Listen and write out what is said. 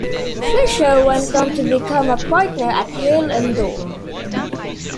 Fisher went on to become a partner at Hale and Dorr.